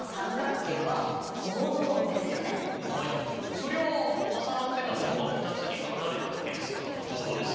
そりゃあ重なってたものが２つに離れただけですから合同ですね。